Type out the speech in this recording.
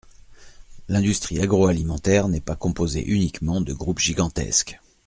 L’industrie agroalimentaire n’est pas composée uniquement de groupes gigantesques.